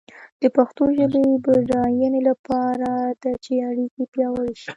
د پښتو ژبې د بډاینې لپاره پکار ده چې اړیکې پیاوړې شي.